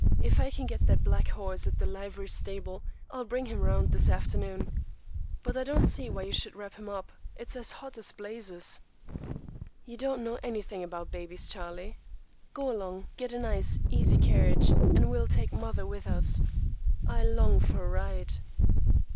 If I can get that black horse at the livery stable, I'll bring him around this afternoon. But I don't see why you should wrap him up. It's hot as blazes." "You don't know anything about babies, Charlie. Go along. Get a nice, easy carriage, and we'll take mother with us. I long for a ride."